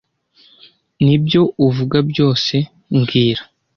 Nibyo uvuga byose mbwira